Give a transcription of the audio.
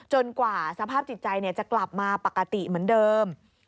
กว่าสภาพจิตใจจะกลับมาปกติเหมือนเดิม